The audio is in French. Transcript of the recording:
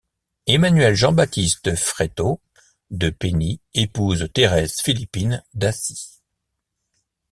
Emmanuel Jean Baptiste Fréteau de Pény épouse Thérèse Philippine Dassy.